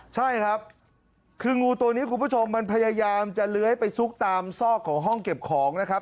ใช่ครับคืองูตัวนี้คุณผู้ชมมันพยายามจะเลื้อยไปซุกตามซอกของห้องเก็บของนะครับ